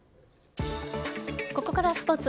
ここからはスポーツ。